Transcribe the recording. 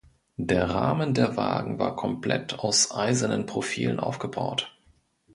Der Rahmen der Wagen war komplett aus eisernen Profilen aufgebaut.